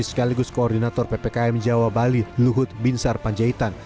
sekaligus koordinator ppkm jawa bali luhut binsar panjaitan